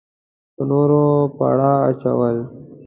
په نورو پړه اچول.